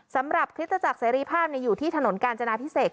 สำหรับคริสตจักรเสรีภาพอยู่ที่ถนนกาญจนาพิเศษ